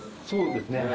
そうですね。